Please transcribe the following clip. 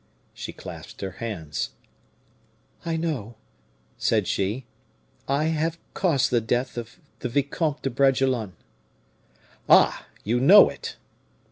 She clasped her hands. "I know," said she, "I have caused the death of the Vicomte de Bragelonne." "Ah! you know it?"